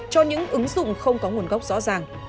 cho những ứng dụng không có nguồn gốc rõ ràng